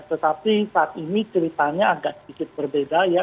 tetapi saat ini ceritanya agak sedikit berbeda ya